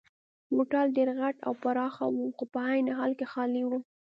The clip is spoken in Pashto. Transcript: هوټل ډېر غټ او پراخه وو خو په عین حال کې خالي وو.